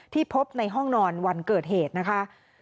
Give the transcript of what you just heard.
พบในห้องนอนวันเกิดเหตุนะคะ